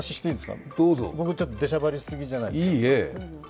僕、ちょっと出しゃばりすぎじゃないですか。